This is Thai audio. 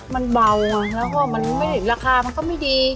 มันเบาแล้วก็ราคามันก็ไม่ดี